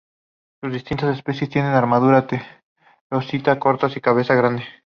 Las distintas especies tienen armadura torácica corta y cabeza grande.